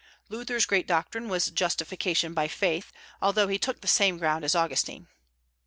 Luther's great doctrine was Justification by Faith, although he took the same ground as Augustine.